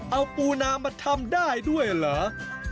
เอาปูนามาทำได้ด้วยเหรอ